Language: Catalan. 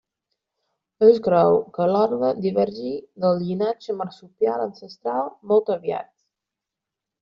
Es creu que l'ordre divergí del llinatge marsupial ancestral molt aviat.